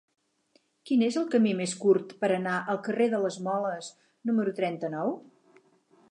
Quin és el camí més curt per anar al carrer de les Moles número trenta-nou?